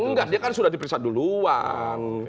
oh nggak dia kan sudah diperiksa duluan